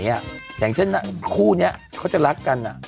อย่างเช่นคู่นี้เขาจะรักกัน